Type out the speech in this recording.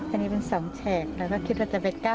อันนี้เป็น๒แฉกเราก็คิดว่าจะเป็น๙๒๔